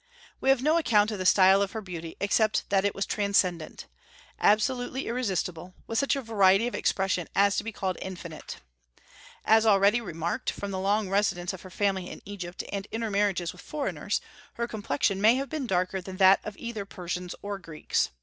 We have no account of the style of her beauty, except that it was transcendent, absolutely irresistible, with such a variety of expression as to be called infinite. As already remarked, from the long residence of her family in Egypt and intermarriages with foreigners, her complexion may have been darker than that of either Persians or Greeks.